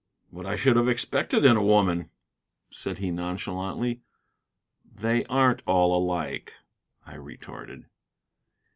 "What I should have expected in a woman," said he, nonchalantly. "They aren't all alike," I retorted.